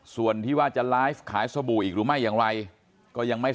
ส่วนที่ว่าจะไลฟ์ขายสบู่อีกรู้ไหมอย่างไว